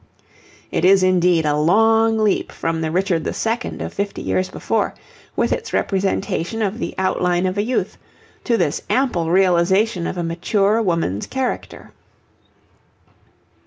It is indeed a long leap from the Richard II. of fifty years before, with its representation of the outline of a youth, to this ample realization of a mature woman's character.